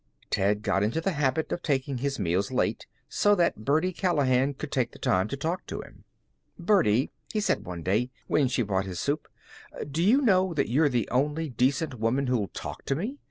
Ted got into the habit of taking his meals late, so that Birdie Callahan could take the time to talk to him. "Birdie," he said one day, when she brought his soup, "do you know that you're the only decent woman who'll talk to me?